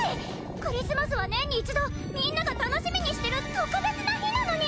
クリスマスは年に一度みんなが楽しみにしてる特別な日なのに！